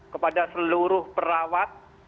kepada seluruh perawat